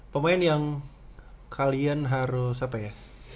pemain yang kalian harus apa ya